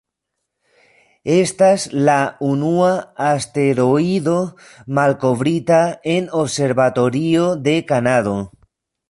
Estas la unua asteroido malkovrita en observatorio de Kanado.